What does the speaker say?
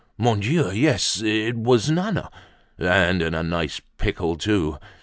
Mon Dieu! yes, it was Nana! And in a nice pickle too!